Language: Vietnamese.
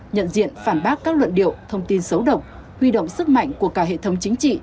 nhận diện phản bác các luận điệu thông tin xấu độc huy động sức mạnh của cả hệ thống chính trị